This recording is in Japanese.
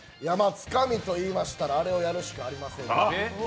つかみといいましたらあれをやるしかありません。